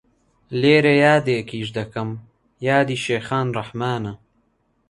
لێرە یادێکیش دەکەم یادی شێخان ڕەحمانە